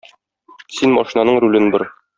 Син машинаның рулен бор.